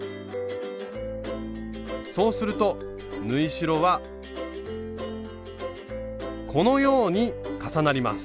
そうすると縫い代はこのように重なります。